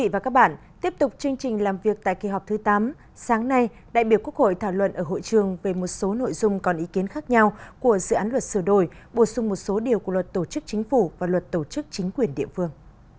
và tiếp tục chương trình làm việc tại kỳ họp thứ tám sáng nay đại biểu quốc hội thảo luận ở hội trường về một số nội dung còn ý kiến khác nhau của dự án luật sửa đổi bổ sung một số điều của luật tổ chức chính phủ và luật tổ chức chính quyền địa phương